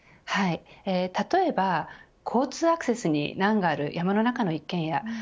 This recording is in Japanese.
例えば交通アクセスに難がある山の中の一軒家。